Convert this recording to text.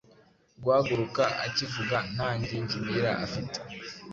guhaguruka akivuga ntangingimira afite